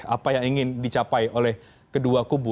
apa yang ingin dicapai oleh kedua kubu